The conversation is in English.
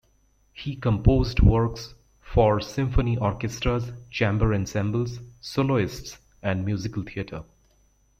He composed works for symphony orchestras, chamber ensembles, soloists and musical theatre.